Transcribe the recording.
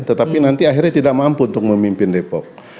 tetapi nanti akhirnya tidak mampu untuk memimpin depok